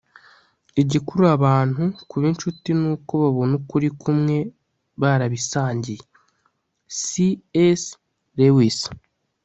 igikurura abantu kuba inshuti nuko babona ukuri kumwe barabisangiye - c s lewis